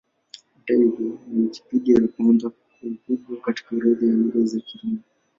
Hata hivyo, ni Wikipedia ya kwanza kwa ukubwa katika orodha ya Lugha za Kirumi.